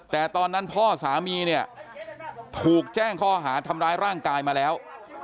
แต่ตอนนั้นพ่อสามีเนี่ยถูกแจ้งข้อหาทำร้ายร่างกายมาแล้ว